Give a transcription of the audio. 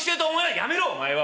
「やめろ！お前は。